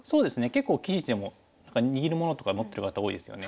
結構棋士でも何か握るものとか持ってる方多いですよね。